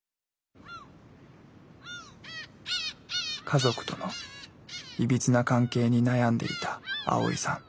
家族とのいびつな関係に悩んでいたアオイさん。